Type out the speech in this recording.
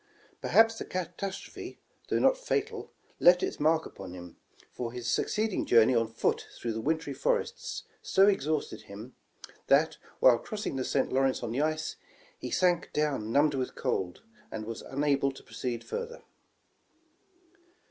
Per haps the catastrophe, though not fatal, left its mark upon him, for his succeeding journey on foot through the wintry forests so exhausted him, that while crossing 121 The Original John Jacob Astor the St. Lawrence on the ice, he sank down numbed with cold, and was unable to proceed further.